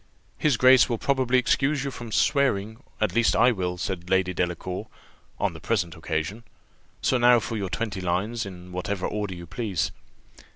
"His Grace will probably excuse you from swearing; at least I will," said Lady Delacour, "on the present occasion: so now for your twenty lines in whatever order you please."